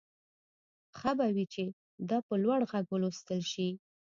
ښه به وي چې دا په لوړ غږ ولوستل شي